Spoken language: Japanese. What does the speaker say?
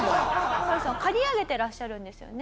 カヨさん刈り上げてらっしゃるんですよね？